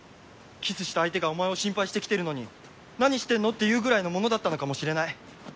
キスした相手がお前を心配して来てるのに「何してんの？」って言うぐらいのものだったのかもしれない。